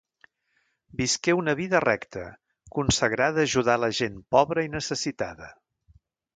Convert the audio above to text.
Visqué una vida recta, consagrada a ajudar la gent pobra i necessitada.